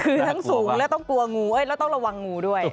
คือทั้งสูงและต้องกลัวงูแล้วต้องระวังงูด้วย